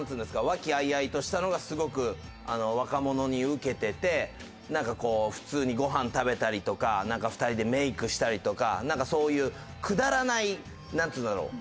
和気あいあいとしたのがすごく若者にウケててなんかこう普通にご飯食べたりとか２人でメイクしたりとかなんかそういうくだらないなんていうんだろう